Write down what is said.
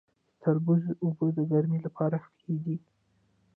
د تربوز اوبه د ګرمۍ لپاره ښې دي.